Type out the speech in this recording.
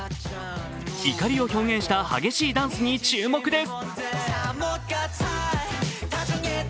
怒りを表現した激しいダンスに注目です。